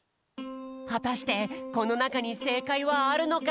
はたしてこのなかにせいかいはあるのかな？